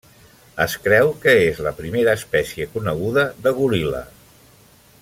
Es creu que és la primera espècie coneguda de goril·la.